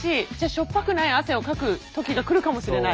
塩っぱくない汗をかく時が来るかもしれない。